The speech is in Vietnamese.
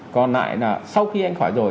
còn lại là sau khi anh khỏi rồi